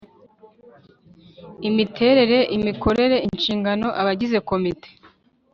Imiterere imikorere inshingano abagize komite